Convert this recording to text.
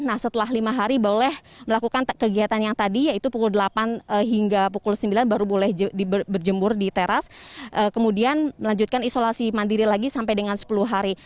nah setelah lima hari boleh melakukan kegiatan yang tadi yaitu pukul delapan hingga pukul sembilan baru boleh berjemur di teras kemudian melanjutkan isolasi mandiri lagi sampai dengan sepuluh hari